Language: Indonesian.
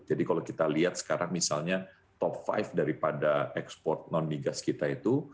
jadi kalau kita lihat sekarang misalnya top lima daripada ekspor non migas kita itu